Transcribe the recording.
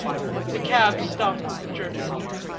The cab stopped with a jerk.